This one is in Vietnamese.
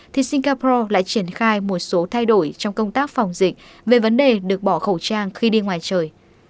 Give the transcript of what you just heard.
thì singapore lại triển khai một số thay đổi trong công tác phòng dịch về vấn đề được bỏ khẩu trang khi đi ngoài trời